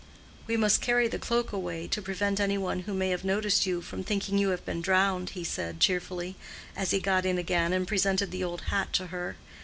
"We must carry the cloak away, to prevent any one who may have noticed you from thinking you have been drowned," he said, cheerfully, as he got in again and presented the old hat to her.